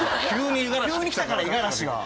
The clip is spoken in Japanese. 急にきたから五十嵐が。